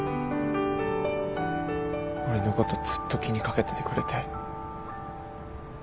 俺のことずっと気に掛けててくれて。